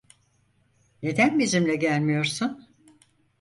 Neden bizimle gelmiyorsun?